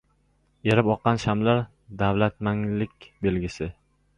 – erib oqqan shamlar davlatmanglik belgisi;